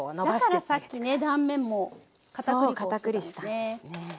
だからさっきね断面もかたくり粉したんですね。